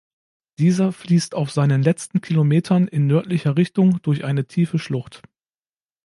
Dieser fließt auf seinen letzten Kilometern in nördlicher Richtung durch eine tiefe Schlucht.